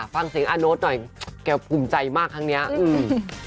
ฟังเสียงอาโน๊ตหน่อยแกภูมิใจมากครั้งเนี้ยอืม